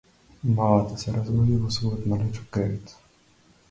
Малата се разбуди во својот малечок кревет.